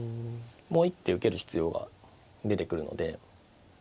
もう一手受ける必要が出てくるので。